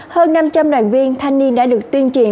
hơn năm trăm linh đoàn viên thanh niên đã được tuyên truyền